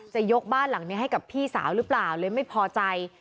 จะยกบ้านหลังนี้ให้กับพี่สาวหรือเปล่าเลยไม่พอใจ